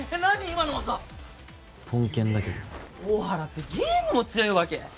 今の技ポンキャンだけど大原ってゲームも強いわけ！？